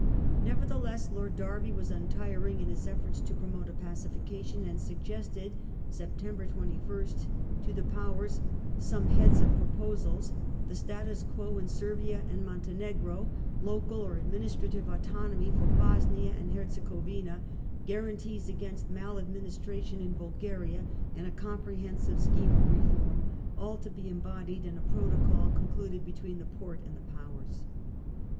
Nevertheless, Lord Derby was untiring in his efforts to promote a pacification, and suggested (Sept. 21st) to the Powers some heads of proposals : the status quo in Servia and Montenegro ; local or administrative autonomy for Bosnia and Herzegovina ; guarantees against mal ad ministration in Bulgaria, and a comprehensive scheme of reform — all to be embodied in a protocol concluded between the Porte and the Powei*s.